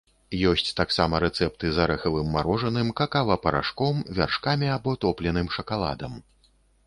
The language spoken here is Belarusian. Ёсць таксама рэцэпты з арэхавым марожаным, какава-парашком, вяршкамі або топленым шакаладам.